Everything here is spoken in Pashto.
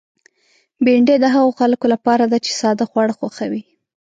بېنډۍ د هغو خلکو لپاره ده چې ساده خواړه خوښوي